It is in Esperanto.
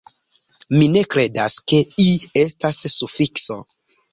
Mi ne kredas, ke -i- estas sufikso.